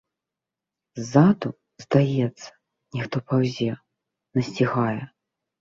Ззаду, здаецца, нехта паўзе, насцігае.